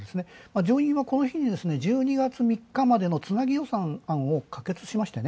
要因はこの日に１２月３日までのつなぎ予算を可決しましたね。